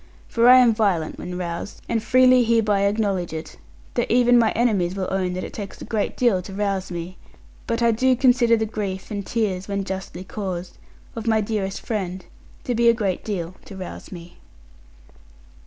For I am violent when roused; and freely hereby acknowledge it; though even my enemies will own that it takes a great deal to rouse me. But I do consider the grief and tears (when justly caused) of my dearest friends, to be a great deal to rouse me.